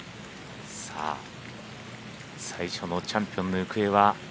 最初のチャンピオンの行方は。